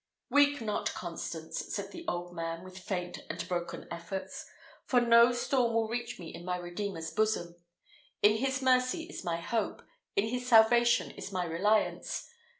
"Weep not, Constance," said the old man, with faint and broken efforts; "for no storms will reach me in my Redeemer's bosom. In his mercy is my hope, in his salvation is my reliance.